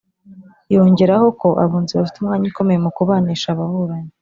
yongeraho ko abunzi bafite umwanya ukomeye mu kubanisha ababuranyi